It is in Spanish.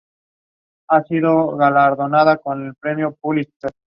Paulatinamente, las depresiones fueron desapareciendo, transformando la región en un altiplano.